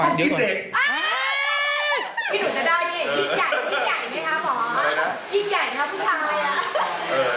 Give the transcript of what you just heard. แฟนกินเด็ก